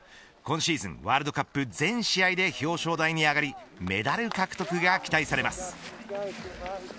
今シーズンワールドカップ全試合で表彰台に上がりメダル獲得が期待されます。